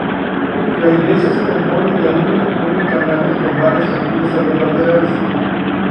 La iglesia se compone de una única nave con varias capillas a los laterales.